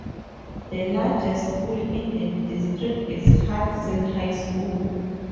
The largest school in the district is Hudson High School.